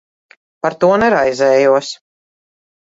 Par to neraizējos.